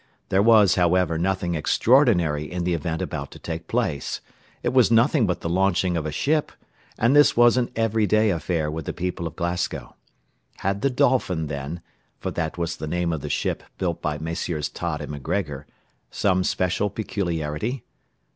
There was, however, nothing extraordinary in the event about to take place; it was nothing but the launching of a ship, and this was an everyday affair with the people of Glasgow. Had the Dolphin, then for that was the name of the ship built by Messrs. Tod & MacGregor some special peculiarity?